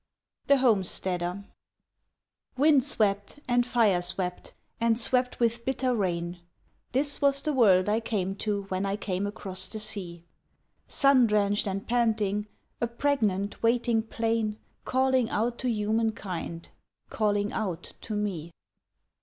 The Homesteader WIND SWEPT and fire swept and swept with bitter rain, This was the world I came to when I came across the sea Sun drenched and panting, a pregnant, waiting plain Calling out to humankind, calling out to me!